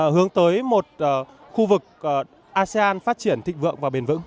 hướng tới một khu vực asean phát triển thịnh vượng và bền vững